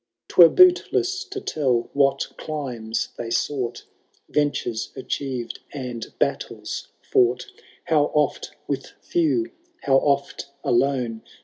*Twere bootless to tell what climes they sough Ventures achieved, and battles fought ; How oft with few, how oft alone.